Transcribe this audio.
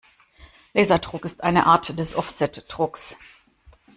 Laserdruck ist eine Art des Offsetdrucks.